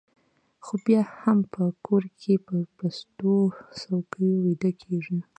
خو بیا هم په کور کې په پستو څوکیو ویده کېږي